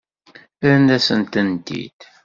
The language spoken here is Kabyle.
Rran-asen-tent-id.